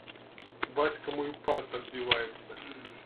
Бацька мой упарта адбіваецца.